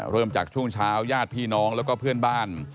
เริ่มจากช่วงเช้าญาติพี่น้องแล้วก็เพื่อนบ้าน